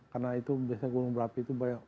karena itu biasanya gunung berapi itu banyak